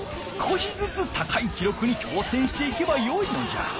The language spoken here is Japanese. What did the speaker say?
少しずつ高い記録に挑戦していけばよいのじゃ。